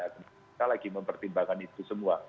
kita lagi mempertimbangkan itu semua